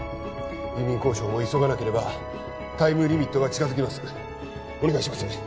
移民交渉も急がなければタイムリミットが近づきますお願いします